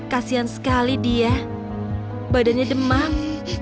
kasian sekali dia badannya demam